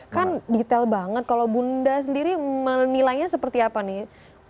kan detail banget kalau bunda sendiri menilainya seperti apa nih